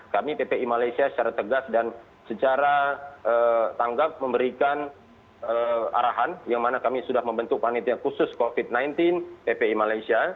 kami ppi malaysia secara tegas dan secara tanggap memberikan arahan yang mana kami sudah membentuk panitia khusus covid sembilan belas ppi malaysia